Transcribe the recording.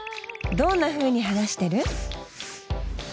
どんなふうに話してる？